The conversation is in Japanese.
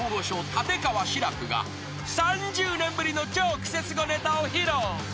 立川志らくが３０年ぶりの超クセスゴネタを披露］